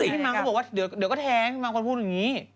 พี่ม้างเขาบอกว่าเดี๋ยวก็แท้ขึ้นมาก่อนพูดแบบนี้